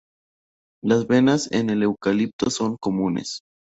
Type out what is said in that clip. Las venas en el eucalipto son comunes.